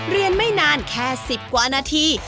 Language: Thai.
เรียนไม่นานแค่๑๐กว่านาที